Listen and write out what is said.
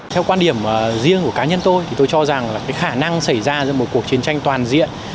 theo quan điểm riêng của cá nhân tôi tôi cho rằng khả năng xảy ra trong một cuộc chiến tranh toàn diện